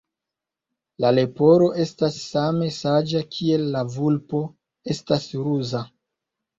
La leporo estas same saĝa kiel la vulpo estas ruza.